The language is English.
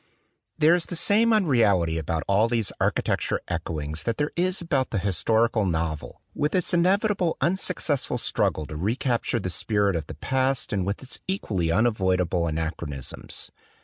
There is the same unreality about all these architecture echoings that there is about the historical novel with its inevitably unsuccessful struggle to recapture the spirit of the past and with its equally unavoidable anachronisms.